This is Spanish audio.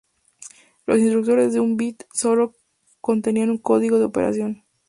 Las instrucciones de un byte tan solo contenían un código de operación.